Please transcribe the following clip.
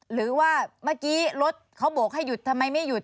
หรือว่าเมื่อกี้รถเขาโบกให้หยุดทำไมไม่หยุด